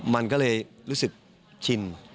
มันก็เลยรู้สึกชิน